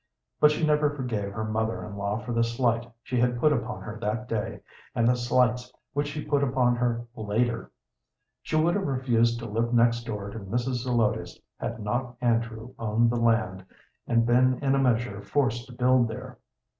But she never forgave her mother in law for the slight she had put upon her that day, and the slights which she put upon her later. She would have refused to live next door to Mrs. Zelotes had not Andrew owned the land and been in a measure forced to build there.